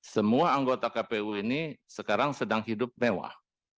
semua anggota kpu ini sekarang sedang hidup mewah